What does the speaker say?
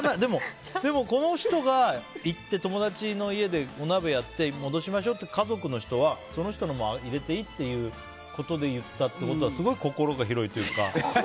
でも、この人が行った友達の家でお鍋をやって戻しましょうって家族の人はその人のも入れていいっていうことで言ったってことはすごい心が広いっていうか。